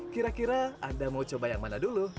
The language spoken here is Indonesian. kira kira anda mau coba yang mana dulu